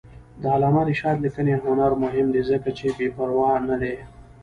د علامه رشاد لیکنی هنر مهم دی ځکه چې بېپروا نه دی.